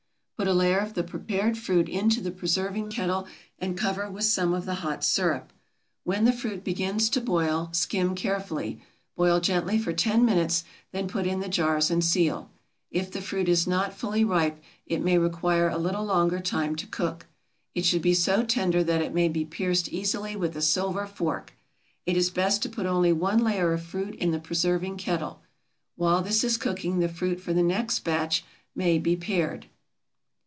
Put a layer of the prepared fruit into the preserving kettle and cover with some of the hot sirup. When the fruit begins to boil, skim carefully. Boil gently for ten minutes, then put in the jars and seal. If the fruit is not fully ripe it may require a little longer time to cook. It should be so tender that it may be pierced easily with a silver fork. It is best to put only one layer of fruit in the preserving kettle. While this is cooking the fruit for the next batch may be pared.